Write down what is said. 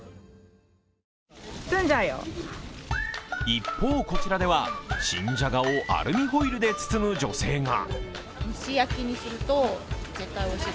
一方、こちらでは新じゃがをアルミホイルで包む女性が。